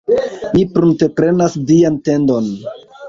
Mi prunteprenas vian tendon.